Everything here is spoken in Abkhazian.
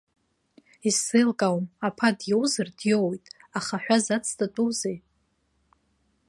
Исзеилкаауам, аԥа диоузар диоуит, аха ҳәа зацҵатәузеи?